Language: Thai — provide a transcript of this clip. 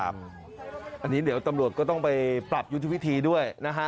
อันนี้เดี๋ยวตำรวจก็ต้องไปปรับยุทธวิธีด้วยนะฮะ